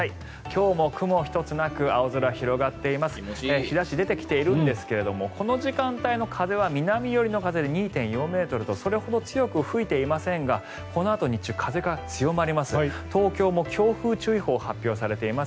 日差し、出てきているんですけどこの時間帯の風は南寄りの風で２．４ｍとそれほど強く吹いていませんがこのあと日中風が強まります。